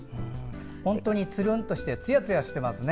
本当につるんとしてつやつやしてますね。